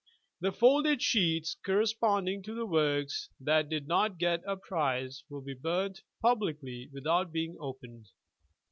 The folded sheets corresponding to the works that did not get a prize will be burnt publicly without being opened.